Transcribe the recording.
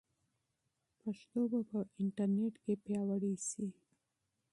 پښتو به په انټرنیټ کې پیاوړې شي.